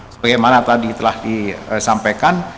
seperti yang tadi telah disampaikan